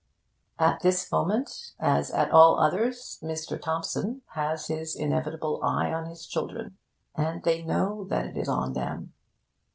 At this moment, as at all others, Mr. Thompson has his inevitable eye on his children, and they know that it is on them.